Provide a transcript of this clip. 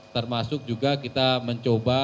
termasuk juga kita mencoba